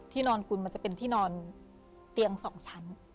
นอนคุณมันจะเป็นที่นอนเตียง๒ชั้น